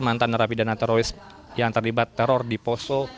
mantan narapidana teroris yang terlibat teror di poso